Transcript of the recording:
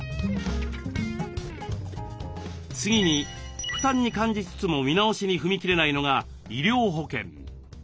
次に負担に感じつつも見直しに踏み切れないのが医療保険。